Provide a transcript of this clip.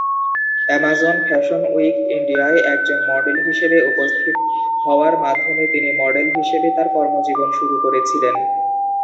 Amazon fashion week ইন্ডিয়ায় একজন model হিসেবে উপস্থিত হওয়ার মাধ্যমে তিনি মডেল হিসেবে তার কর্মজীবন শুরু করেছিলেন।